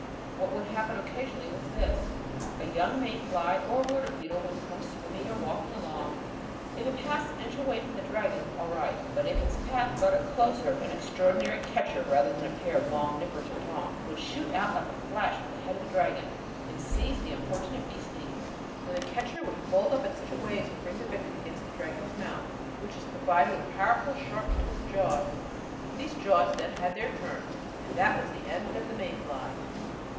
What would happen occasionally was this: a young May fly or a water beetle would come swimming or walking along; if it passed an inch away from the dragon, all right; but if its path brought it closer, an extraordinary "catcher," rather like a pair of long nippers or tongs, would shoot out like a flash from the head of the dragon and seize on the unfortunate beastie. Then the "catcher" would fold up in such a way as to bring the victim against the dragon's mouth, which is provided with powerful, sharp toothed jaws. These jaws then had their turn. And that was the end of the May fly.